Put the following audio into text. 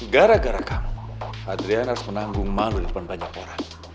gara gara kamu adrian harus menanggung malu di depan banyak orang